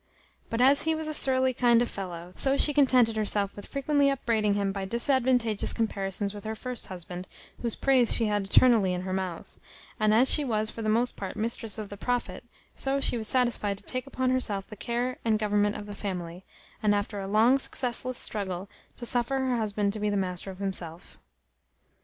But as he was a surly kind of fellow, so she contented herself with frequently upbraiding him by disadvantageous comparisons with her first husband, whose praise she had eternally in her mouth; and as she was for the most part mistress of the profit, so she was satisfied to take upon herself the care and government of the family, and, after a long successless struggle, to suffer her husband to be master of himself.